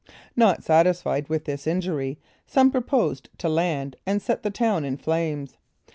Not satisfied with this injury, some proposed to land and set the town in flames.